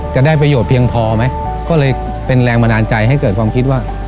จะได้ประโยชน์เพียงพอไหมก็เลยเป็นแรงบันดาลใจให้เกิดความคิดว่า